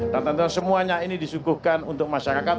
dan tentu semuanya ini disuguhkan untuk masyarakat